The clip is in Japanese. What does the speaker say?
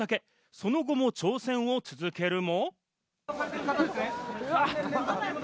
その後も挑戦を続けるも。